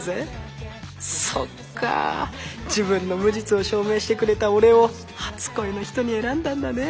そっかあ自分の無実を証明してくれた俺を初恋の人に選んだんだね